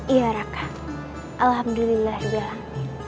iya raka alhamdulillahirrahmanirrahim